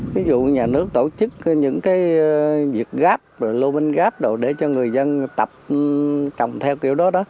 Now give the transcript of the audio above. ví dụ nhà nước tổ chức những cái việc gáp lô minh gáp đồ để cho người dân tập trồng theo kiểu đó